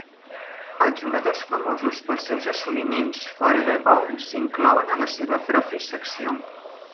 Els jugadors famosos pels seus assoliments fora de Go s'inclouen a la seva pròpia secció.